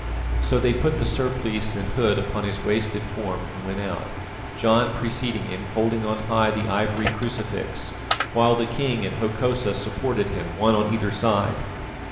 So they put the surplice and hood upon his wasted form and went out, John preceding him holding on high the ivory crucifix, while the king and Hokosa supported him, one on either side.